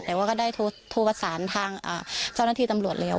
แต่ว่าก็ได้โทรประสานทางเจ้าหน้าที่ตำรวจแล้ว